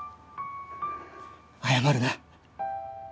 謝るな。